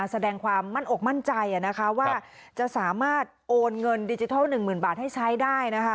แสดงความมั่นอกมั่นใจว่าจะสามารถโอนเงินดิจิทัล๑๐๐๐บาทให้ใช้ได้นะคะ